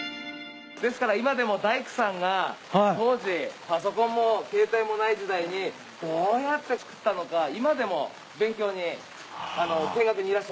ですから今でも大工さんが当時パソコンも携帯もない時代にどうやって造ったのか今でも勉強に見学にいらっしゃいます。